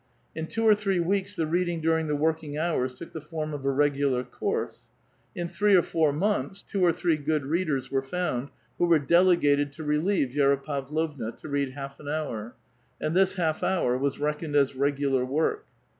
In two or three weeks, the reading during the working hours took the form of a regular course. In three or four months, two or three good readers were found, who were delegated to, relieve Vi^ra Pavlovna, to read half an hour ; and tliis half hour was reckoned as regular work.